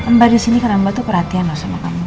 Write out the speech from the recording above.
mbak disini karena mbak tuh perhatian loh sama kamu